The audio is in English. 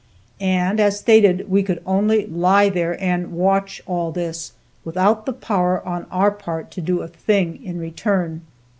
And, as stated, we could only lie there and watch all this, without the power on our part to do a thing in return.